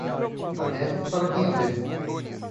A neve, para quem a vê.